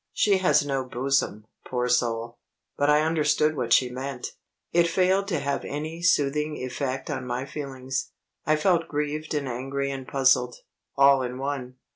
She has no bosom, poor soul but I understood what she meant. It failed to have any soothing effect on my feelings. I felt grieved and angry and puzzled, all in one.